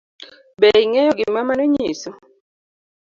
Be ing'eyo gima mano nyiso?